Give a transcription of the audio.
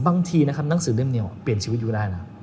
บางทีนะครับหนังสือเล่มเดียวเปลี่ยนชีวิตอยู่ได้นะ